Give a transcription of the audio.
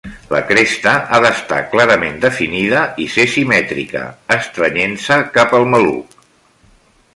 La cresta ha d'estar clarament definida i ser simètrica, estrenyent-se cap al maluc.